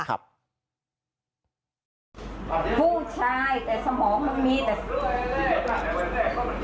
โอ้โฮอายคนสิเลย